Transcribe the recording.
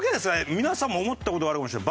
皆さんも思った事があるかもしれない。